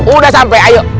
udah sampai ayo